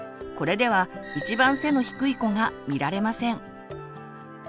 これでは一番背の低い子が見られません。